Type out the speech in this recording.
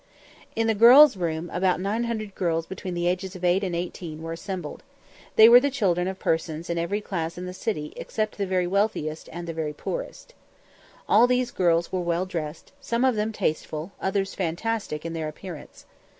In the girls' room about 900 girls between the ages of eight and eighteen were assembled. They were the children of persons in every class in the city except the very wealthiest and the poorest. All these girls were well dressed, some of them tasteful, others fantastic, in their appearance.